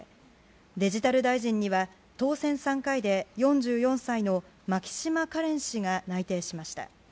デジタル大臣には当選３回で４４歳の牧島かれん氏が内定しました。